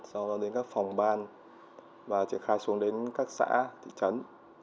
sau đó đến các phòng ban và triển khai xuống đến các xã thị trấn